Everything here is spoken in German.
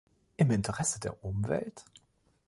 Im Interesse der Umwelt?